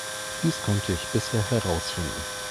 Dies konnte ich bisher herausfinden.